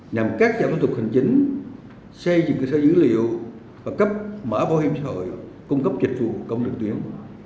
nhằm cắt giảm ứng dụng hành chính xây dựng cơ sở dữ liệu và cấp mã bảo hiểm xã hội cung cấp dịch vụ công đường tuyến